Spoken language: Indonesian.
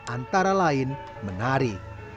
antara lain menari